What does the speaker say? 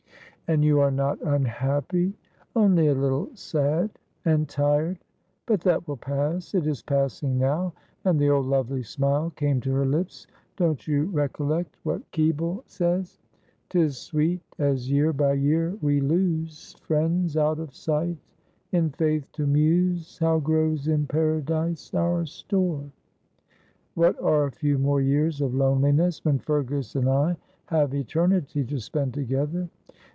"And you are not unhappy?" "Only a little sad and tired, but that will pass, it is passing now," and the old lovely smile came to her lips. "Don't you recollect what Keble says, "''Tis sweet as year by year we lose Friends out of sight, in faith to muse How grows in Paradise our store.' "What are a few more years of loneliness when Fergus and I have eternity to spend together.